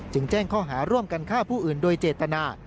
แจ้งข้อหาร่วมกันฆ่าผู้อื่นโดยเจตนา